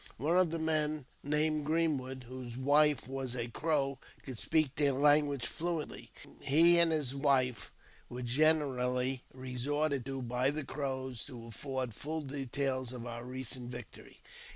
One of our men (named Greenwood), whose wife was a •Crow, could speak their language fluently; he and his wife were generally resorted to by the Crows to afford full details of our recent victory.